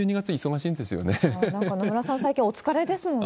なんか野村さん、最近お疲れですもんね。